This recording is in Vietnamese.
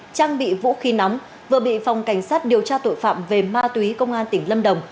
trang bị vũ khí nóng vừa bị phòng cảnh sát điều tra tội phạm về ma túy công an tỉnh lâm đồng